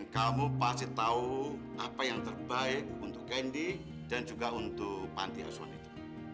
dan kamu pasti tahu apa yang terbaik untuk candy dan juga untuk panti asuan itu